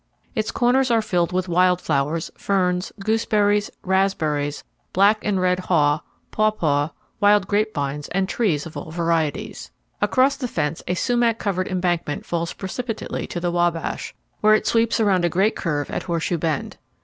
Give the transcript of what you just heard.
Its corners are filled with wild flowers, ferns, gooseberries, raspberries, black and red haw, papaw, wild grapevines, and trees of all varieties. Across the fence a sumac covered embankment falls precipitately to the Wabash, where it sweeps around a great curve at Horseshoe Bend.